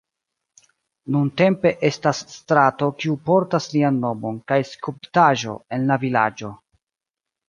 Nuntempe estas strato kiu portas lian nomon kaj skulptaĵo en la vilaĝo.